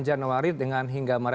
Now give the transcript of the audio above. dan puncaknya di februari